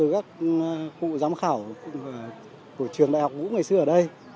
các cụ giám khảo của trường đại học vũ ngày xưa ở đây